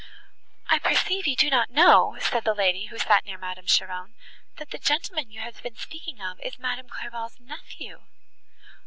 "I perceive you do not know," said the lady who sat near Madame Cheron, "that the gentleman you have been speaking of is Madame Clairval's nephew!"